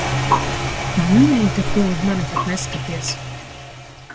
Pamanīji, ka tu uz mani pat neskaties?